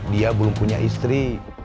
dia belum punya istri